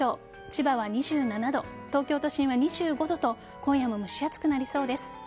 千葉は２７度東京都心は２５度と今夜も蒸し暑くなりそうです。